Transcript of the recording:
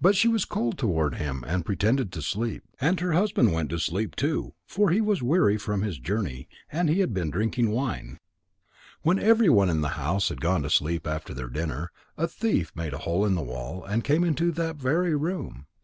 But she was cold toward him and pretended to sleep. And her husband went to sleep, too, for he was weary with his journey, and had been drinking wine. When everyone in the house had gone to sleep after their dinner, a thief made a hole in the wall and came into that very room.